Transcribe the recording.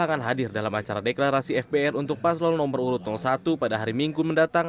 pasangan hadir dalam acara deklarasi fbr untuk paslon nomor urut satu pada hari minggu mendatang